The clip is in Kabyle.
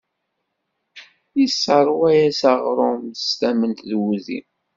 Yesseṛwa-as aɣrum s tament d wudi.